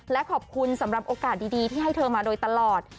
และขอบคุณสำหรับโอกาสดีที่ให้เธอมาโดยตลอด